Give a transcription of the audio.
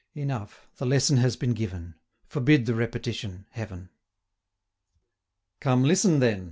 Enough, the lesson has been given: Forbid the repetition, Heaven! 175 Come listen, then!